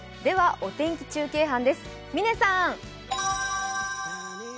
では、お天気中継班です、嶺さん。